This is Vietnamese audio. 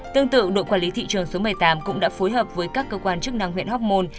tương tự đội quản lý thị trường số một mươi tám cũng đã phối hợp với các cơ quan chức năng huyện hóc môn